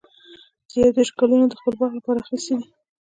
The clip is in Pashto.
زه یو دیرش ګلونه د خپل باغ لپاره اخیستي دي.